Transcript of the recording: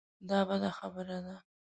دا بده خبره ده.